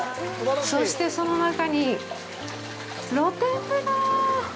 そして、その中に、露天風呂！